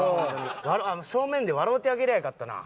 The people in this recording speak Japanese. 正面で笑うてあげりゃあよかったな。